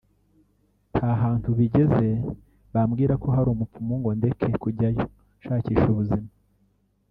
nta hantu bigeze bambwira ko hari umupfumu ngo ndeke kujyayo nshakisha ubuzima